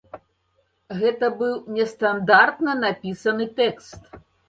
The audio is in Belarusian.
Гэта быў нестандартна напісаны тэкст.